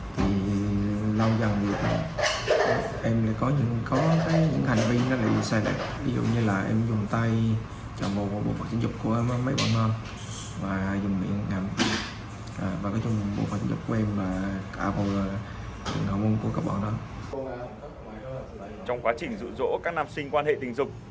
trong quá trình dụ dỗ các nam sinh quan hệ tình dục